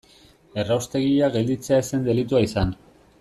Erraustegia gelditzea ez zen delitua izan.